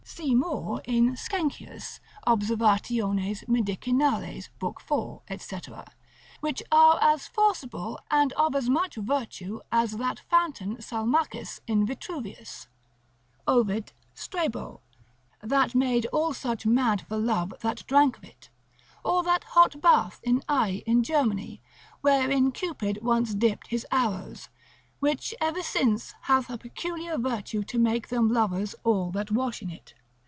See more in Sckenkius observat. medicinal, lib. 4. &c., which are as forcible and of as much virtue as that fountain Salmacis in Vitruvius, Ovid, Strabo, that made all such mad for love that drank of it, or that hot bath at Aix in Germany, wherein Cupid once dipped his arrows, which ever since hath a peculiar virtue to make them lovers all that wash in it.